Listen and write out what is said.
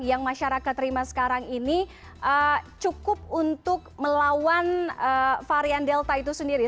yang masyarakat terima sekarang ini cukup untuk melawan varian delta itu sendiri